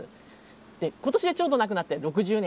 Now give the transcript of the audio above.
で今年でちょうど亡くなって６０年。